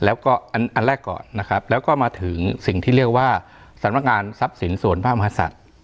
แล้วก็อันแรกก่อนนะครับแล้วก็มาถึงสิ่งที่เรียกว่าสำนักงานทรัพย์สินส่วนพระมหาศัตริย์